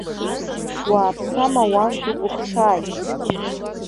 Уааԥсама уан дукәыхшааит?